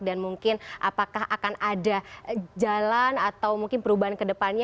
dan mungkin apakah akan ada jalan atau mungkin perubahan kedepannya